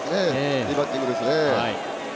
いいバッティングですね。